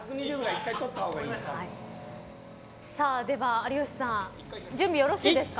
有吉さん準備よろしいですか？